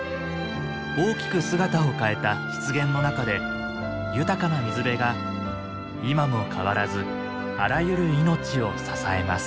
大きく姿を変えた湿原の中で豊かな水辺が今も変わらずあらゆる命を支えます。